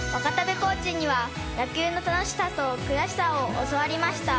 コーチには、野球の楽しさと悔しさを教わりました。